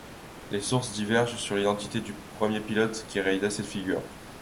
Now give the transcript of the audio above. Les sources divergent sur l'identité du premier pilote qui réalisa cette figure.